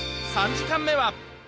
３時間目は。